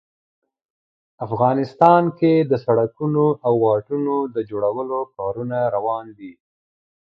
افغانستان کې د سړکونو او واټونو د جوړولو کارونه روان دي